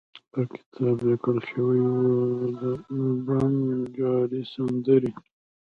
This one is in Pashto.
پر کتاب لیکل شوي وو: د بنجاري سندرې.